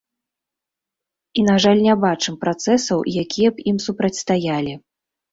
І, на жаль, не бачым працэсаў, якія б ім супрацьстаялі.